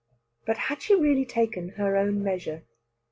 But had she really taken her own measure?